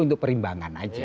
untuk perimbangan aja